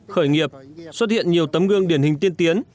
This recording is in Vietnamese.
khởi nghiệp xuất hiện nhiều tấm gương điển hình tiên tiến